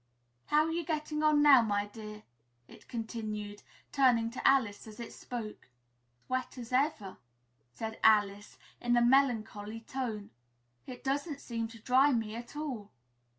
How are you getting on now, my dear?" it continued, turning to Alice as it spoke. "As wet as ever," said Alice in a melancholy tone; "it doesn't seem to dry me at all."